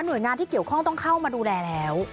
โดยงานที่เกี่ยวข้องต้องเข้ามาดูแลแล้ว